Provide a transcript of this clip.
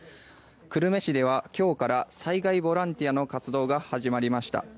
久留米市では今日から災害ボランティアの活動が始まりました。